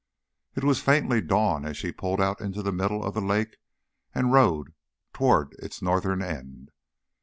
It was faintly dawn as she pulled out into the middle of the lake and rowed toward its northern end.